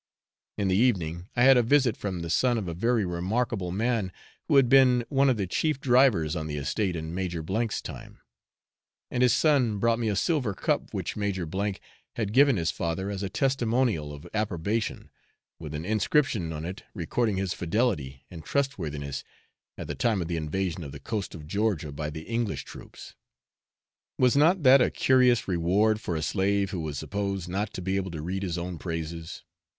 In the evening I had a visit from the son of a very remarkable man, who had been one of the chief drivers on the estate in Major 's time, and his son brought me a silver cup which Major had given his father as a testimonial of approbation, with an inscription on it recording his fidelity and trustworthiness at the time of the invasion of the coast of Georgia by the English troops. Was not that a curious reward for a slave who was supposed not to be able to read his own praises?